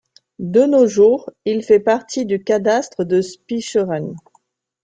De nos jours, Il fait partie du cadastre de Spicheren.